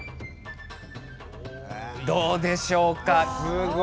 どうでしょうか。